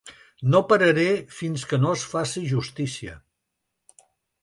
No pararé fins que no es faci justícia.